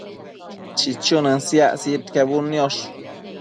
chichunën siac sidquebudniosh